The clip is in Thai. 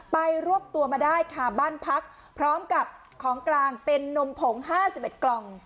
รวบตัวมาได้ค่ะบ้านพักพร้อมกับของกลางเป็นนมผง๕๑กล่อง